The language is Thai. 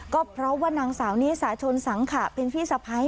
ก็เพราะว่านางสาวนิสาชนสังขะเป็นพี่สะพ้าย